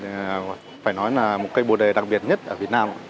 cây bồ đề phải nói là một cây bồ đề đặc biệt nhất ở việt nam